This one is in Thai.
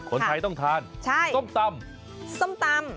คนไทยต้องทานซมตำ